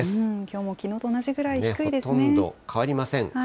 きょうもきのうと同じくらいほとんど変わりません。